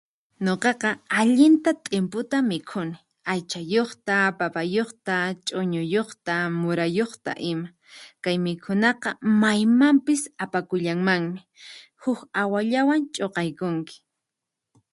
Nuqaqa allinta t'imputa mikhuni, aychayuqta, papayuqta, ch'uñuyuqta, murayuqta ima, kay mikhunaqa maymampis apakullanmanmi huk awallawan ch'uqaykunki.